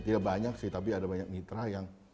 tidak banyak sih tapi ada banyak mitra yang